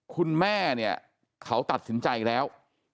คุณแม่เนี่ยเขาตัดสินใจแล้ว